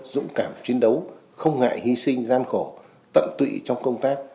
dũng cảm chiến đấu không ngại hy sinh gian khổ tận tụy trong công tác